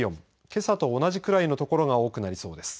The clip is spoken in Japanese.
けさと同じくらいの所が多くなりそうです。